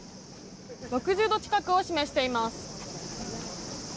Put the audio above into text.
６０度近くを示しています。